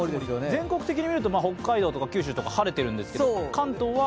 全国的に見ると北海道とか九州とか晴れているんですが関東は？